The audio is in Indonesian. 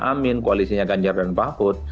amin kualisinya ganjar dan pahut